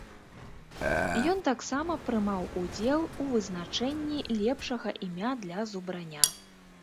Ён таксама прымаў удзел у вызначэнні лепшага імя для зубраня.